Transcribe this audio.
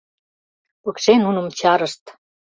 Пыкше нуным чарышт.